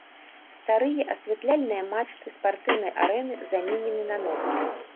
Старыя асвятляльныя мачты спартыўнай арэны заменены на новыя.